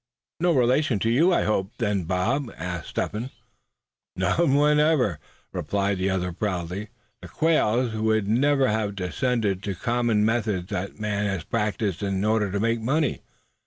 "No relation of yours, I hope, then, Bob?" asked Step Hen. "None whatever, suh," replied the other, proudly. "The Quails would never have descended to the common methods that man has practiced in order to make money.